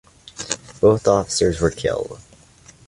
Both officers were killed.